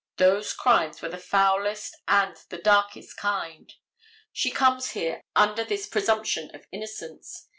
Those crimes were the foulest and the darkest kind. She comes here under this presumption of innocence.